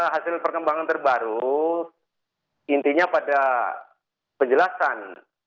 hasil perkembangan terbaru intinya pada penjelasan